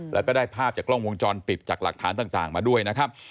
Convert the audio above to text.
แล้วก็ได้ภาพจากกล้องวงจรปิดจากหลักฐานต่างมาด้วยนะครับ